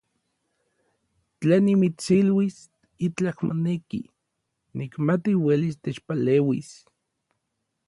Tla nimitsiluis itlaj moneki, nikmati uelis techpaleuis.